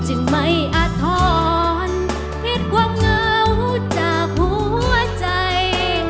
จึงไม่อาทรคิดความเหงาจากหัวใจ